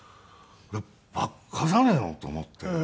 馬鹿じゃねえのと思って。